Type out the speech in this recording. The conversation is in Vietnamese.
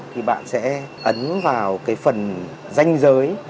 thì bạn sẽ ấn vào cái phần danh giới